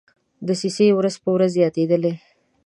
دسیسې ورځ په ورځ زیاتېدلې.